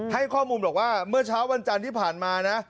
ให้ข้อมูลบอกว่าเมื่อเช้าวันจันทร์ที่ผ่านมานะ